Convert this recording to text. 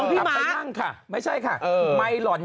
อันนี้มันควรจะเป็นความลับ